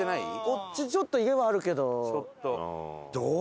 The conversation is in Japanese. こっちちょっと家はあるけど。